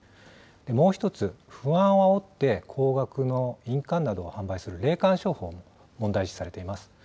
もう一つ、不安をあおって高額の印鑑などを販売する霊感商法も問題視されています。